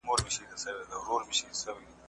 زه به د کورنۍ سره